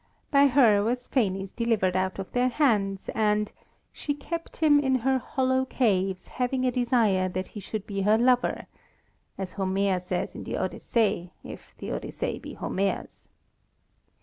By her was Phanes delivered out of their hands; and "she kept him in her hollow caves having a desire that he should be her lover," as Homer says in the Odyssey, if the Odyssey be Homer's.